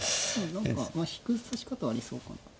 何か引く指し方はありそうかなと。